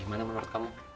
gimana menurut kamu